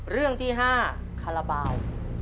เรื่องที่๕คาราบาล